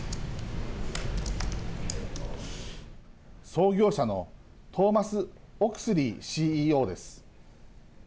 創業者のトーマス・オクスリーＣＥＯです。